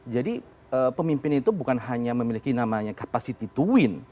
jadi pemimpin itu bukan hanya memiliki namanya capacity to win